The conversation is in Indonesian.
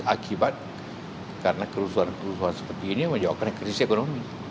akibat karena kerusuhan kerusuhan seperti ini menjawabkan krisis ekonomi